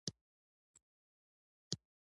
فرقې راوزېږېدې.